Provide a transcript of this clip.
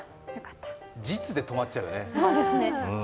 じつで止まっちゃうよね。